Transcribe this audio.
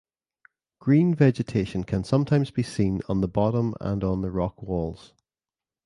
Green vegetation can sometimes be seen on the bottom and on the rock walls.